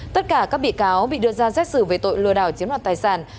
tất cả các bị cáo bị đưa ra xét xử về tội lừa đảo chiếm đoạt tài sản